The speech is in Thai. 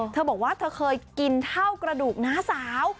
เธอบอกว่าเธอเคยกินเท่ากระดูกน้าสาว